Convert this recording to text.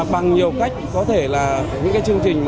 bằng nhiều cách có thể là những cái chương trình